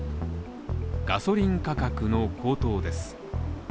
ガソリン価格の高騰です。